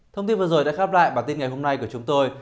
thông tin vừa rồi đã khép lại bản tin ngày hôm nay của chúng tôi